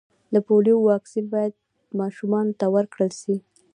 د پولیو واکسین باید و ماشومانو ته ورکړل سي.